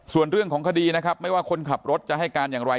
ส่วนเรื่องของคดีนะครับไม่ว่าคนขับรถจะให้การอย่างไร